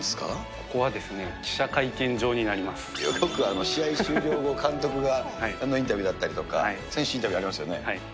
ここはですね、記者会見場によく試合終了後、監督がインタビューだったりとか、選手インタビューありますよね。